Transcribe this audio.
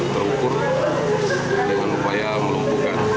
terukur dengan upaya melumpuhkan